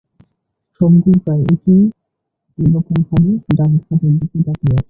সবগুলো প্রায় একই রকমভাবে ডান হাতের দিকে তাকিয়ে আছে।